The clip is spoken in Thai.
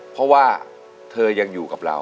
เพราะว่าเธอยังอยู่กับเรา